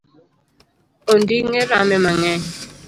Onding’e rame mang’eny